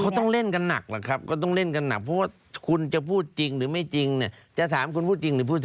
เขาต้องเล่นกันหนักเพราะว่าคุณจะพูดจริงหรือไม่จริง